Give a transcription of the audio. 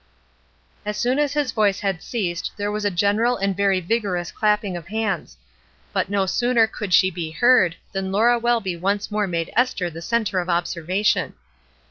As soon as his voice had ceased there was a general and very vigorous clapping of hands; but no sooner could she be heard than Laura Welby once more made Esther the centre of observation.